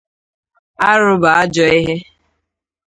arụ bụ ajọ ihe